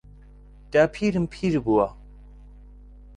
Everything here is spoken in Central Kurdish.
داپیرم پیر بووە.